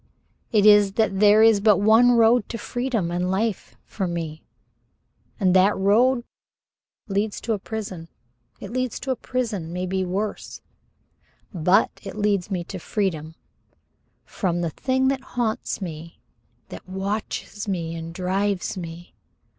It is, that there is but one road to freedom and life for me and that road leads to a prison. It leads to a prison, maybe worse, but it leads me to freedom from the thing that haunts me, that watches me and drives me.